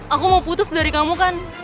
aku mau putus dari kamu kan